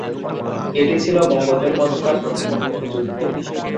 এটি ছিল মঙ্গোলদের মধ্যকার প্রথম উন্মুক্ত যুদ্ধ।